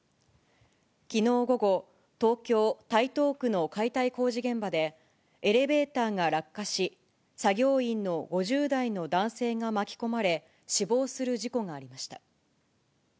きのう午後、東京・台東区の解体工事現場で、エレベーターが落下し、作業員の５０代の男性が巻き込まれ、死亡する事故がありました。